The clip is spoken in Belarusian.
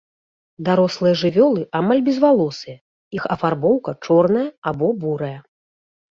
Дарослыя жывёлы амаль безвалосыя, іх афарбоўка чорная або бурая.